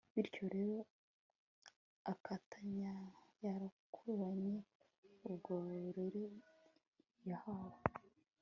bityo rero akaba yarakuranye ubwo burere yahawe